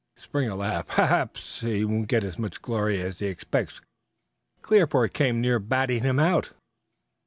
Springer laughed. "Perhaps he won't get as much glory as he expects. Clearport came near batting him out.